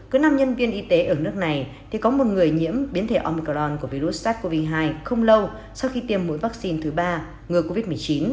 cứ năm nhân viên y tế ở nước này thì có một người nhiễm biến thể omcloor của virus sars cov hai không lâu sau khi tiêm mũi vaccine thứ ba ngừa covid một mươi chín